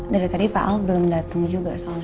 dari tadi pak ahok belum datang juga soalnya